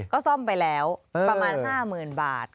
ก็ซ่อมไปแล้วประมาณ๕๐๐๐บาท